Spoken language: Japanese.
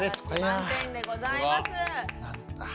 満点でございます。